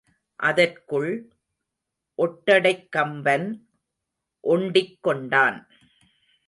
அதற்குள் ஒட்டடைக்கம்பன் ஒண்டிக் கொண்டான்.